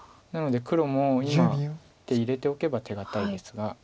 なので黒も今手入れておけば手堅いですが。